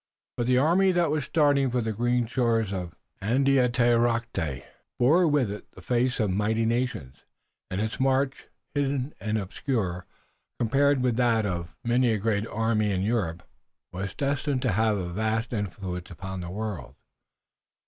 But the army that was starting for the green shores of Andiatarocte bore with it the fate of mighty nations, and its march, hidden and obscure, compared with that of many a great army in Europe, was destined to have a vast influence upon the world.